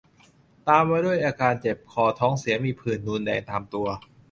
ตามมาด้วยอาการเจ็บคอ ท้องเสีย มีผื่นนูนแดงตามตัว